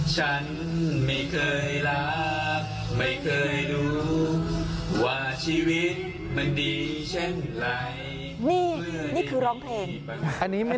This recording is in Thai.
ฉันไม่เคยรักไม่เคยรู้ว่าชีวิตมันดีเช่นไร